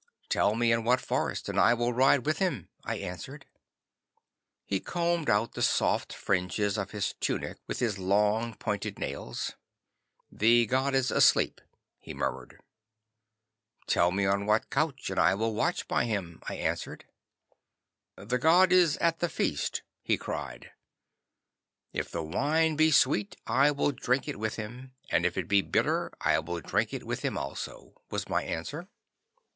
'"Tell me in what forest, and I will ride with him," I answered. 'He combed out the soft fringes of his tunic with his long pointed nails. "The god is asleep," he murmured. '"Tell me on what couch, and I will watch by him," I answered. '"The god is at the feast," he cried. '"If the wine be sweet I will drink it with him, and if it be bitter I will drink it with him also," was my answer.